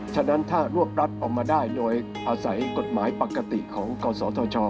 ฉะนั้นถ้ารวบรัฐออกมาได้โดยอาศัยกฎหมายปกติของกศธช